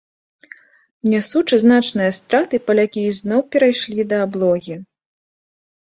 Нясучы значныя страты, палякі ізноў перайшлі да аблогі.